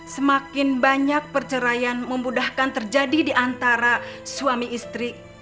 semakin banyak perceraian memudahkan terjadi diantara suami istri